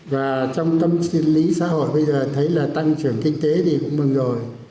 và trong tâm sinh lý xã hội bây giờ thấy là tăng trưởng kinh tế thì cũng mừng rồi